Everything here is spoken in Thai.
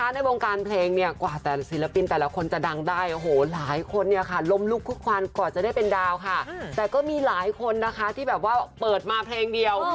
ในวงการเพลงเนี่ยกว่าแต่ศิลปินแต่ละคนจะดังได้โอ้โหหลายคนเนี่ยค่ะล้มลุกคุกควันกว่าจะได้เป็นดาวค่ะแต่ก็มีหลายคนนะคะที่แบบว่าเปิดมาเพลงเดียว